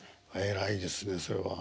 偉いですねそれは。